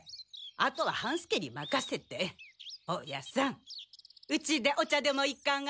あとは半助に任せて大家さんうちでお茶でもいかが？